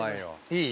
いい？